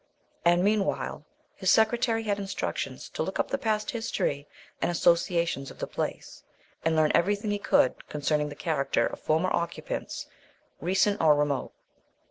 And, meanwhile, his secretary had instructions to look up the past history and associations of the place, and learn everything he could concerning the character of former occupants, recent or remote.